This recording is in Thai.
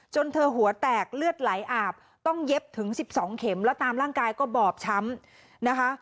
เธอหัวแตกเลือดไหลอาบต้องเย็บถึง๑๒เข็มแล้วตามร่างกายก็บอบช้ำนะคะ